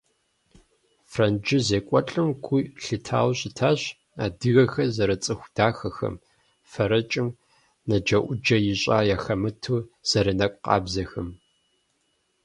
Франджы зекӏуэлӏым гу лъитауэ щытащ адыгэхэр зэрыцӏыху дахэхэм, фэрэкӏым наджэӏуджэ ищӏа яхэмыту зэрынэкӏу къабзэхэм.